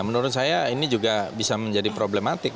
menurut saya ini juga bisa menjadi problematik